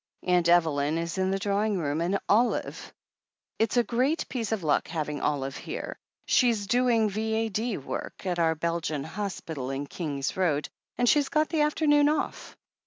"Aunt Evelyn is in the drawing room, and Olive. It's a great piece of luck having Olive here. She's doing V.A.D. work at our Belgian Hospital in King's Road, and she's got the afternoon off.